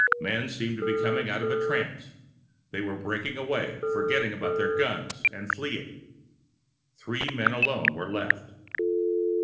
Men seemed to be coming out of a trance. They were breaking away, forgetting about their guns and fleeing. Three men alone were left.